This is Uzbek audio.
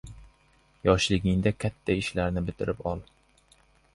• Yoshligingda katta ishlarni bitirib ol.